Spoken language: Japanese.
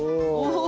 お。